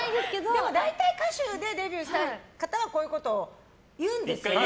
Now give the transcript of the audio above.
でも大体、歌手でデビューした方はこういうこと言うんですよね。